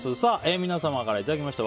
皆様からいただきました